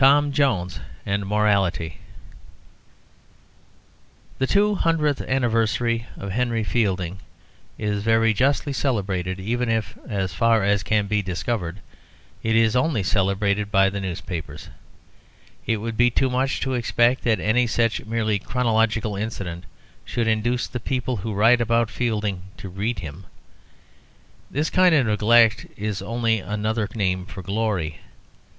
TOM JONES AND MORALITY The two hundredth anniversary of Henry Fielding is very justly celebrated, even if, as far as can be discovered, it is only celebrated by the newspapers. It would be too much to expect that any such merely chronological incident should induce the people who write about Fielding to read him; this kind of neglect is only another name for glory.